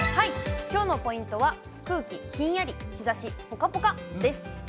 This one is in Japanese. きょうのポイントは、空気ひんやり日ざしぽかぽかです。